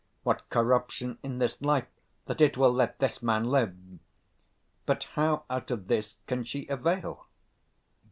What corruption in this life, that it will let this man live! But how out of this can she avail?